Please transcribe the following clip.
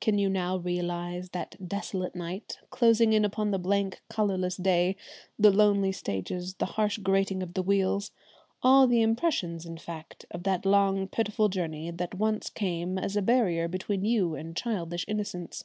Can you now realise that desolate night, closing in upon the blank, colourless day, the lonely stages, the harsh grating of the wheels, all the impressions in fact of that long, pitiful journey that once came as a barrier between you and childish innocence?